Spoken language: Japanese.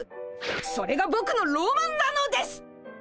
それがぼくのロマンなのです！